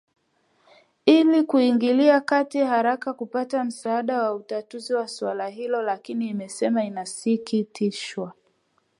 ili kuingilia kati haraka kupata msaada wa utatuzi wa suala hilo lakini imesema inasikitishwa